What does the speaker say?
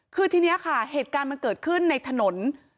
คือทีนี้ค่ะเหตุการณ์มันเกิดขึ้นในถนน